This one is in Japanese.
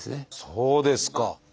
そうですか！